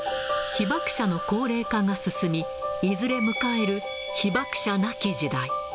被爆者の高齢化が進み、いずれ迎える被爆者なき時代。